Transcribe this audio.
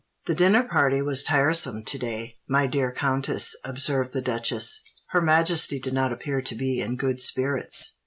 "The dinner party was tiresome to day, my dear countess," observed the duchess: "her Majesty did not appear to be in good spirits."